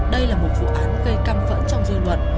đây là một vụ án gây căm phẫn trong dư luận